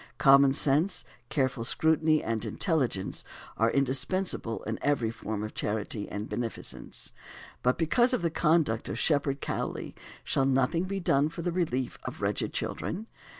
Common sense, careful scrutiny, and intelligence, are indispensable in every form of charity and beneficence. But because of the conduct of Shepherd Cowley shall nothing be done for the relief of wretched children?